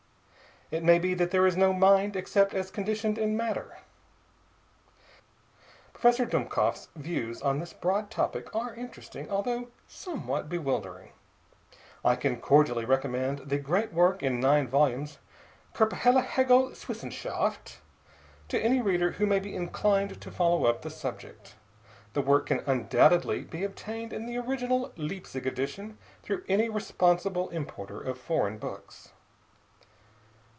It may be that there is no mind except as conditioned in matter. Professor Dummkopf's views upon this broad topic are interesting, although somewhat bewildering. I can cordially recommend the great work in nine volumes, Koerperliehegelswissenschaft, to any reader who may be inclined to follow up the subject. The work can undoubtedly be obtained in the original Leipzig edition through any responsible importer of foreign books.